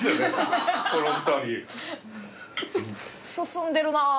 進んでるなー。